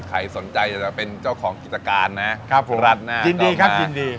ใครสนใจจะเป็นเจ้าของกิจการนะครับผมรัดหน้ายินดีครับยินดี